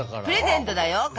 プレゼントだよ